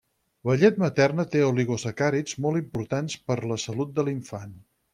La llet materna té oligosacàrids molt importants per la salut de l'infant.